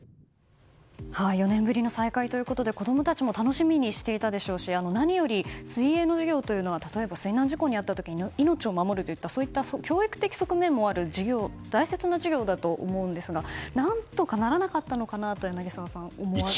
４年ぶりの再開ということで子供たちも楽しみにしていたでしょうし何より、水泳の授業は例えば、水難事故に遭った時に命を守るといった教育的側面もある大切な授業だと思うんですが何とかならなかったのかなと柳澤さん、思ってしまうんですが。